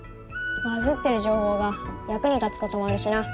バズってる情報が役に立つこともあるしな。